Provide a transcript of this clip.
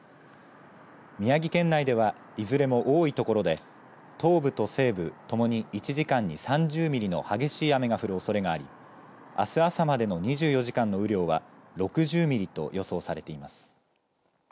宮城県内ではいずれも多い所で東部と西部ともに１時間に３０ミリの激しい雨が降るおそれがありあす朝までの２４時間の雨量は６０ミリと予想されています。